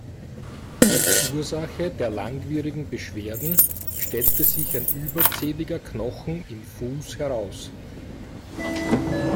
Als Ursache der langwierigen Beschwerden stellte sich ein überzähliger Knochen im Fuß heraus.